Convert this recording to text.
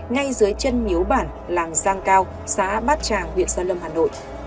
ngay dưới chân miếu bản làng giang cao xã bát tràng huyện gia lâm hà nội